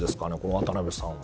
渡邊さんは。